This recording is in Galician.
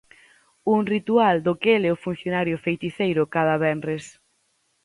Un ritual do que el é o funcionario feiticeiro cada venres.